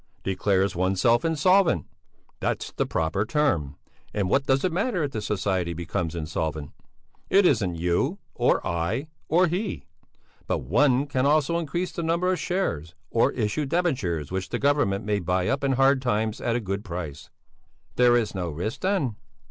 "Declares oneself insolvent! That's the proper term. And what does it matter if the society becomes insolvent? It isn't you, or I, or he! But one can also increase the number of shares, or issue debentures which the Government may buy up in hard times at a good price." "There's no risk then?"